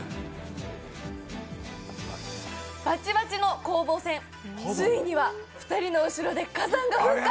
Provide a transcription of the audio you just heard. バチバチの攻防戦ついには２人の後ろで火山が噴火。